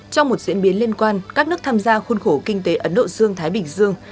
trong một diễn biến liên quan các nước tham gia khuôn khổ kinh tế ấn độ dương thái bình dương